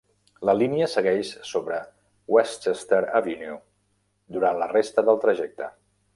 La línia segueix sobre Westchester Avenue durant la resta del trajecte.